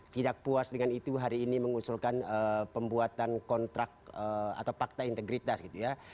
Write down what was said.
tidak puas dengan itu hari ini mengusulkan pembuatan kontrak atau fakta integritas gitu ya